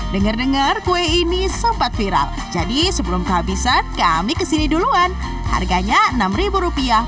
denger denger kue ini sempat viral jadi sebelum kehabisan kami kesini duluan harganya enam ribu rupiah